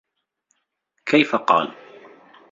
كَيْفَ قَالَ